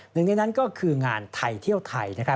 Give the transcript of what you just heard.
หนึ่งในนั้นก็คืองานไทยเที่ยวไทย